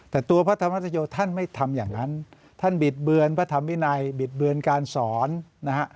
แต่ตัวพระธรรมชโยท่านไม่ทำอย่างนั้นท่านบิดเบือนพระธรรมวินัยบิดเบือนการสอนนะฮะ